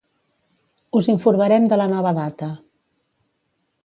Us informarem de la nova data.